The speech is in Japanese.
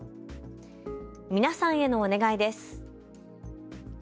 皆さんへのお願いです。